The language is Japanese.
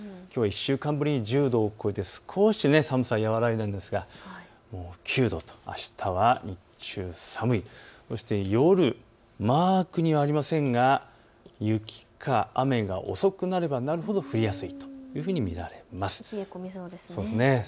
きょうは１週間ぶりに１０度を超えて少し寒さが和らぎましたが９度と、あしたは日中寒い、そして夜、マークにはありませんが、雪か雨が遅くなればなるほど降りやすいというふうに見られます。